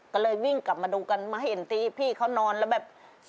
ก็เลยวิ่งกลับมาดูกันมาให้เห็นตีพี่เขานอนแล้วแบบ